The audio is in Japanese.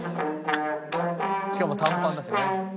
「しかも短パンだしね」